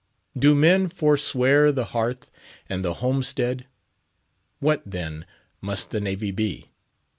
Do men forswear the hearth and the homestead? What, then, must the Navy be?